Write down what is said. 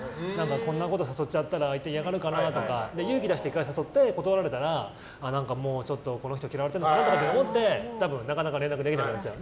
こんなこと誘っちゃったら相手嫌がるかなとか勇気を出して１回誘って断られたら嫌われてると思って多分なかなか連絡できなくなっちゃう。